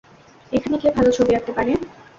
এখানে কে ভালো ছবি আঁকতে পারে?